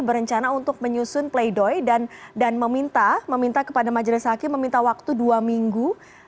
berencana untuk menyusun play doh dan meminta kepada majelis hakim meminta waktu dua minggu